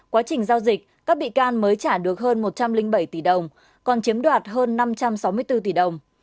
quá trình giao dịch các bị can mới trả được hơn một trăm linh bảy tỷ đồng còn chiếm đoạt hơn năm trăm sáu mươi bốn tỷ đồng